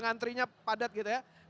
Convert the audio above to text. ngantrinya padat gitu ya